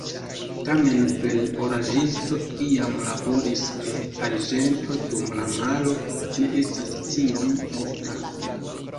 Tamen plej oraĵisto iam laboris per arĝento dum la malo ne estas tiom ofta.